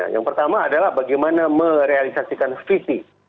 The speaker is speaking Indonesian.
yang pertama adalah bagaimana merealisasikan visi